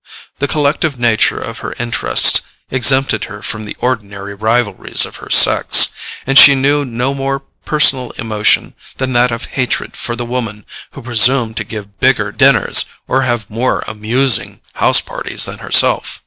The collective nature of her interests exempted her from the ordinary rivalries of her sex, and she knew no more personal emotion than that of hatred for the woman who presumed to give bigger dinners or have more amusing house parties than herself.